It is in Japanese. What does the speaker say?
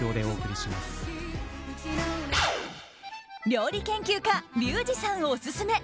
料理研究家リュウジさんオススメ！